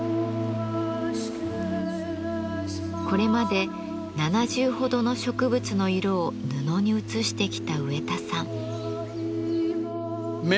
これまで７０ほどの植物の色を布にうつしてきた植田さん。